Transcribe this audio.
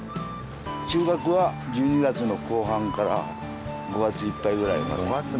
収穫は１２月の後半から５月いっぱいぐらいまで。